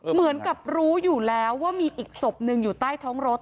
เหมือนกับรู้อยู่แล้วว่ามีอีกศพหนึ่งอยู่ใต้ท้องรถ